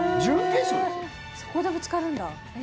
そこでぶつかるんだ。